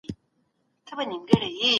په دولتي ادارو کې ولې رشوت اخیستل کیږي؟